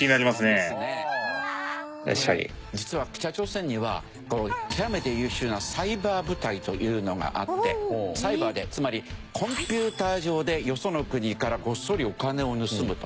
これね実は北朝鮮には極めて優秀なサイバー部隊というのがあってサイバーでつまりコンピューター上でよその国からごっそりお金を盗むと。